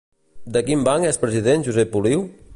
De quin banc és president Josep Oliu?